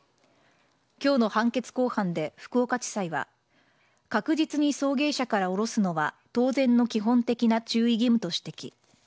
きょうの判決公判で福岡地裁は、確実に送迎車から降ろすのは当然の基本的な注意義務と指摘。